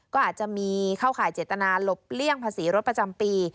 ก็อาจจะมีเข้าข่ายเจตนาหลบเลี่ยงภาษีรถประจำปี